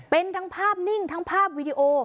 เป็นทั้งภาพนิ่งทั้งภาพวีดีโอ